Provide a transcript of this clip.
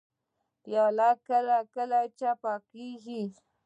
پیاله کله کله چپه کېږي.